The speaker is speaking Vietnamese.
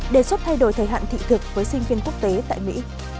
đề xuất thay đổi thời hạn thị thực với sinh viên quốc tế tại mỹ